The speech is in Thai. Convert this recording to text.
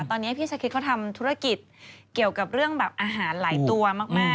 ตอนนี้พี่ชะคริสเขาทำธุรกิจเกี่ยวกับเรื่องแบบอาหารหลายตัวมาก